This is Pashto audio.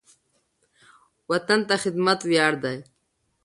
وطن ته خدمت ویاړ دی